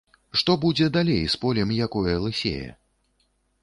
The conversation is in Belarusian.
Што будзе далей з полем, якое лысее?